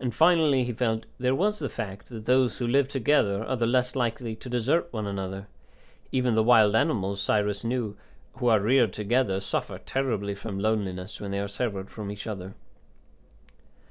And finally, he felt, there was the fact that those who live together are the less likely to desert one another; even the wild animals, Cyrus knew, who are reared together suffer terribly from loneliness when they are severed from each other.